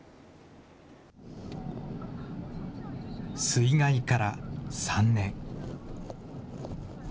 水害から３年。